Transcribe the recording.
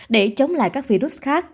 để chống lại các virus khác